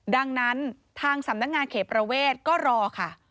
ดังนั้นทางสำนักงานเขตประเวทก็รอค่ะ